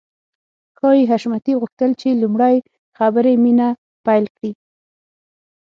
ښايي حشمتي غوښتل چې لومړی خبرې مينه پيل کړي.